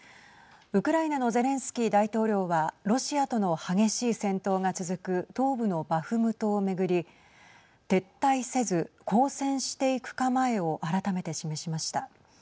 ウクライナのゼレンスキー大統領はロシアとの激しい戦闘が続く東部のバフムトを巡り撤退せず抗戦していく構えを改めて示しました。